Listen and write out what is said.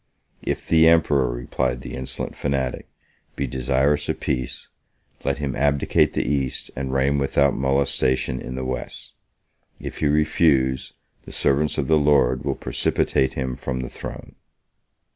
"If the emperor," replied the insolent fanatic, "be desirous of peace, let him abdicate the East, and reign without molestation in the West. If he refuse, the servants of the Lord will precipitate him from the throne."